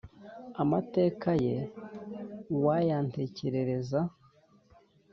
amateka ye uwayantekerereza